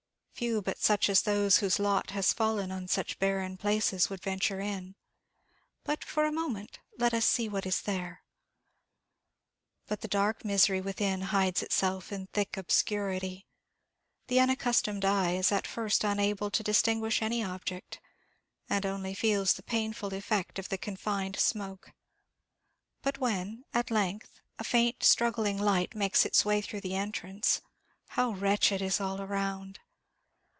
Few but such as those whose lot has fallen on such barren places would venture in; but for a moment let us see what is there. But the dark misery within hides itself in thick obscurity. The unaccustomed eye is at first unable to distinguish any object, and only feels the painful effect of the confined smoke; but when, at length, a faint, struggling light makes its way through the entrance, how wretched is all around!